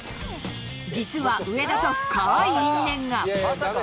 実は上田と深い因縁が。